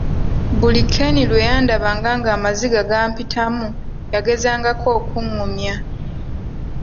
Buli Ken lwe yandabanga ng'amaziga gampitamu yagezangako okungumya.